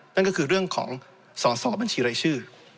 นั่นก็คือเรื่องของสอสอบัญชีรายชื่อ